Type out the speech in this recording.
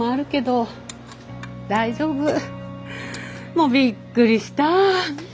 もうびっくりした。